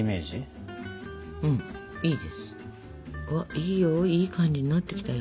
いいよいい感じになってきたよ。